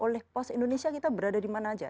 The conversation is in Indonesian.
oleh pos indonesia kita berada di mana saja